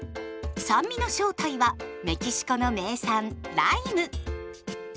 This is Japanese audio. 酸味の正体はメキシコの名産ライム。